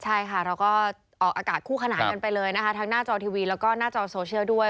ใช่ค่ะเราก็ออกอากาศคู่ขนานกันไปเลยนะคะทั้งหน้าจอทีวีแล้วก็หน้าจอโซเชียลด้วย